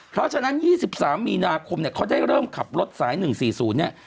เพราะฉะนั้น๒๓มีนาคมเขาได้เริ่มขับรถสาย๑๔๐